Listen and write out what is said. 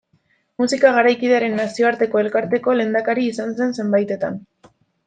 Musika Garaikidearen Nazioarteko Elkarteko lehendakari izan zen zenbaitetan.